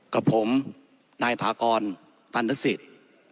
กับผมนายถากรตันทศิษย์